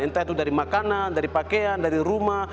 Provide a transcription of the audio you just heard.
entah itu dari makanan dari pakaian dari rumah